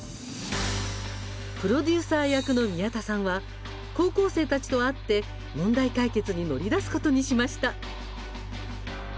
プロデューサー役の宮田さんは高校生たちと会って問題解決に乗り出すことにしました。